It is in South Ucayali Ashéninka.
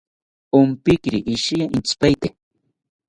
Ompiquiri ishiya entzipaete